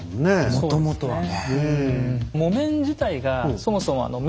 もともとはね。